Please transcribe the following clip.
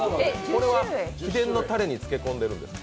これは秘伝のたれに漬け込んでいるんですか？